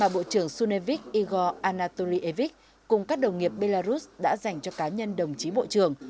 bộ trưởng sunevich igor anatolievich cùng các đồng nghiệp belarus đã dành cho cá nhân đồng chí bộ trưởng